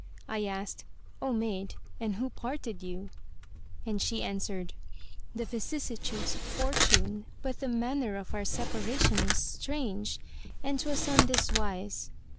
I asked, "O maid, and who parted you?"; and she answered, "The vicissitudes of fortune, but the manner of our separation was strange; and 'twas on this wise.